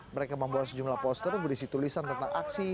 mereka membawa sejumlah poster berisi tulisan tentang aksi